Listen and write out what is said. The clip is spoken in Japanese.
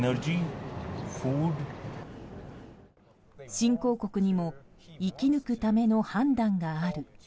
新興国にも生き抜くための判断がある。